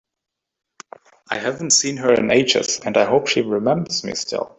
I haven’t seen her in ages, and I hope she remembers me still!